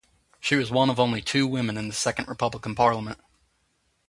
She was one of only two women in the Second Republican parliament.